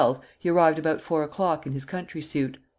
] "On the 12th he arrived about four o'clock in his country suit.